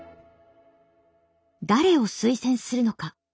誰を推薦するのか。